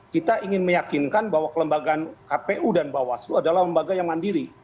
kita ingin meyakinkan bahwa kelembagaan kpu dan bawaslu adalah lembaga yang mandiri